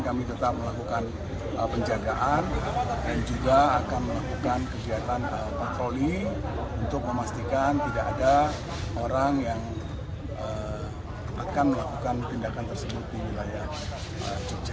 kami tetap melakukan penjagaan dan juga akan melakukan kegiatan patroli untuk memastikan tidak ada orang yang akan melakukan tindakan tersebut di wilayah jogja